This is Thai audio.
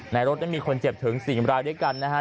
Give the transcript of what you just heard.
รถนั้นมีคนเจ็บถึง๔รายด้วยกันนะฮะ